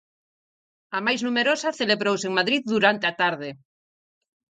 A máis numerosa, celebrouse en Madrid durante a tarde.